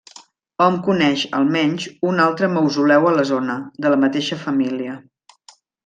Hom coneix, almenys, un altre mausoleu a la zona, de la mateixa família.